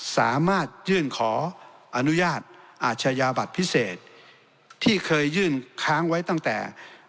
สามารถยื่นขออนุญาตอาชญาบัตรพิเศษที่เคยยื่นค้างไว้ตั้งแต่